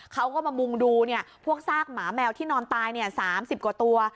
เขาก็มามุงดูพวกซากหมาแมวที่นอนตาย๓๐กว่าตัว